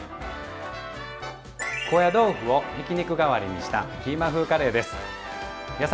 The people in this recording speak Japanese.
高野豆腐をひき肉代わりにしたキーマ風カレーです。